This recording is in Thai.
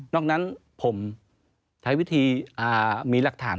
อกนั้นผมใช้วิธีมีหลักฐาน